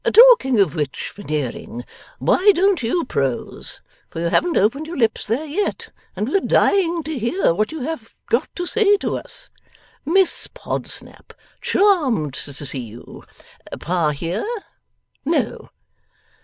Talking of which, Veneering, why don't you prose, for you haven't opened your lips there yet, and we are dying to hear what you have got to say to us! Miss Podsnap, charmed to see you. Pa, here? No!